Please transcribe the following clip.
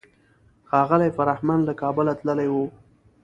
ښاغلی فرهمند له کابله تللی و.